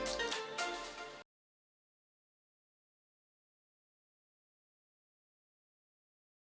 keliatan keninya lagi di depan suatu pengegel